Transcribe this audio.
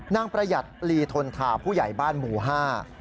ประหยัดลีทนทาผู้ใหญ่บ้านหมู่ห้า